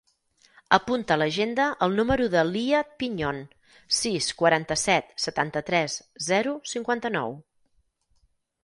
Apunta a l'agenda el número de l'Iyad Piñon: sis, quaranta-set, setanta-tres, zero, cinquanta-nou.